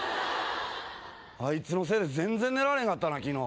あいつのせいで全然寝られへんかったな昨日。